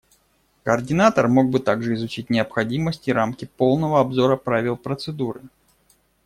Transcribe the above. Координатор мог бы также изучить необходимость и рамки полного обзора правил процедуры.